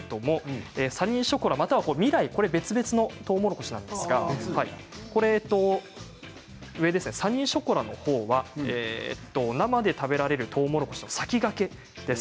サニーショコラと味来は別々のとうもろこしなんですがサニーショコラのほうは生で食べられるとうもろこしの先駆けです。